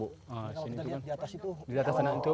kalau kita lihat di atas itu